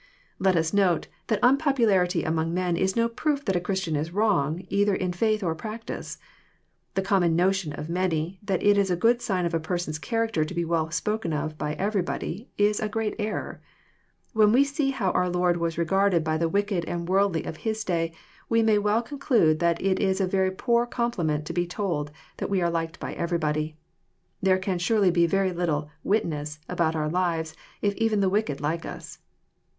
Let us note, that unpopularity among men is no proof that a Christian is wrong, either in faith or practice. The common notion of many, that it is a good sign of a person's character to be well spoken of by everybody, is a great error. When we see how our Lord was regarded by the wicked and worldly of His day, we may well conclude that it is a very poor compliment to be told that we are liked by everybody. There can surely be very little " witness " about our lives if even the wicked like us.